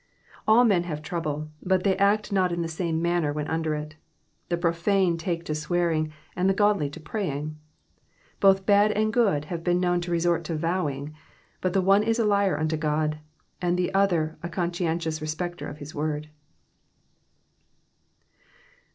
All men have trouble, but they act not in the same manner while under it ; the profane take to swear^^ ing and the godly to prayinjj. Both bad and good have been known to resor^ to vowing, but the one is a liar unto God, and the other a conscientious respecter of his word.